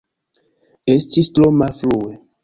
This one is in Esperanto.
Estis tro malfrue.